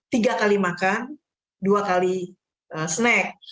tiga kali makan dua kali snack